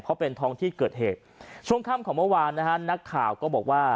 เพราะเป็นท้องที่เกิดเหตุช่วงค่ำของเมื่อวานนะฮะนักข่าวก็บอกว่า